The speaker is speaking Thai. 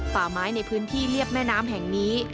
ป่าไม้ในพื้นที่เรียบแม่น้ำแห่งนี้